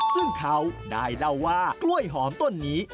ซึ่งเขาได้เล่าว่ากล้วยหอมต้นนี้